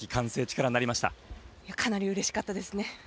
かなりうれしかったです。